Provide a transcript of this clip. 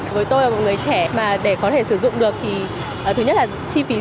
với tôi là một người trẻ mà để có thể sử dụng được thì thứ nhất là chi phí rẻ